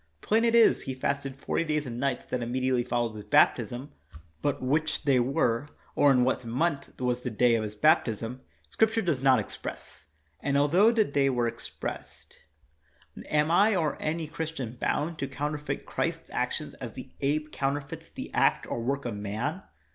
Plain it is He fasted forty days and nights that immediately followed His baptism, but which they were, or in what month was the day of His baptism, Scrip ture does not express; and, altho the day were 28 KNOX expressed, am I or any Christian bound to coun terfeit Christ's actions as the ape counterfeits the act or work of man